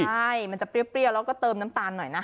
ใช่มันจะเปรี้ยวแล้วก็เติมน้ำตาลหน่อยนะ